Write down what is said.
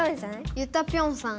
ゆたぴょんさん？